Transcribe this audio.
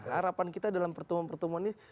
harapan kita dalam pertemuan pertemuan ini